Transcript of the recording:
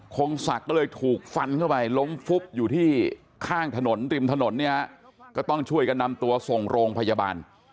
คงศักดิ์ก็เลยถูกฟันเข้าไปล้มฟุบอยู่ที่ข้างถนนริมถนนเนี่ยก็ต้องช่วยกันนำตัวส่งโรงพยาบาล